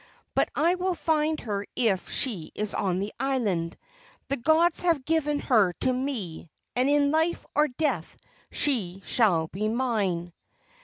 But I will find her if she is on the island! The gods have given her to me, and in life or death she shall be mine!"